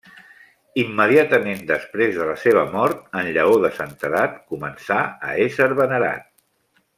Immediatament després de la seva mort, en llaor de santedat, començà a ésser venerat.